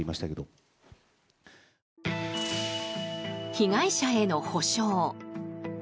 被害者への補償。